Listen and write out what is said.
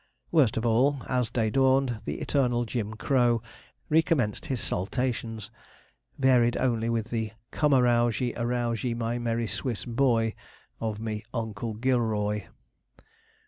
Worst of all, as day dawned, the eternal 'Jim Crow' recommenced his saltations, varied only with the: 'Come, arouse ye, arouse ye, my merry Swiss boy' of 'me Oncle Gilroy.'